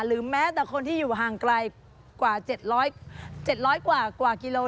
แม้แต่คนที่อยู่ห่างไกลกว่า๗๐๐กว่ากิโล